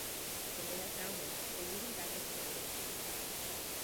When they have found him, they lead him back into the village.